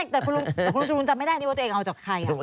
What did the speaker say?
แต่คุณจรูนจำไม่ได้นี่ว่าตัวเองเอาจากใคร